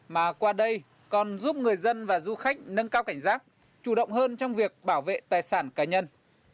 mà qua đây còn giúp người dân và du khách nâng cao cảnh giác chủ động hơn trong việc bảo vệ tài sản cá nhân